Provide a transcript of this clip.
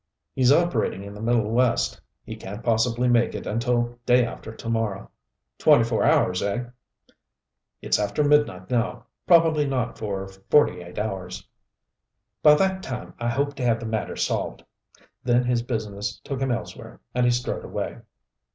"He's operating in the Middle West. He can't possibly make it until day after to morrow " "Twenty four hours, eh?" "It's after midnight now. Probably not for forty eight hours." "By that time, I hope to have the matter solved." Then his business took him elsewhere, and he strode away.